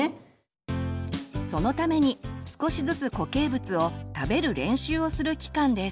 そのために少しずつ固形物を「食べる練習」をする期間です。